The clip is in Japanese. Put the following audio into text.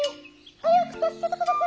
早く助けてくだされ」。